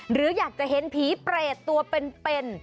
หรืออยากจะเห็นผีเปรตตัวเป็น